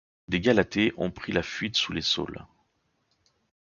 Dé Galatée ont pris la fuite sous les saules